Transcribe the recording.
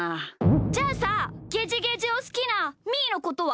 じゃあさゲジゲジをすきなみーのことは？